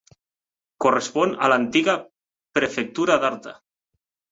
Correspon a l'antiga prefectura d'Arta.